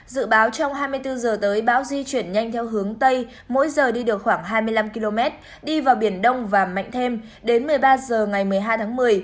dự báo trong hai mươi bốn h tới bão di chuyển nhanh theo hướng tây mỗi giờ đi được khoảng hai mươi năm km đi vào biển đông và mạnh thêm đến một mươi ba h ngày một mươi hai tháng một mươi